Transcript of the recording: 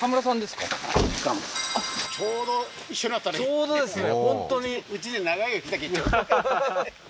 ちょうどですね